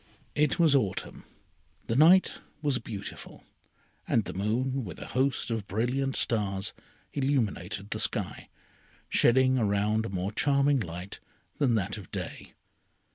It was autumn. The night was beautiful, and the moon, with a host of brilliant stars, illuminated the sky, shedding around a more charming light than that of day.